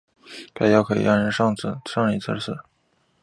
该药可能让人上瘾甚至致死。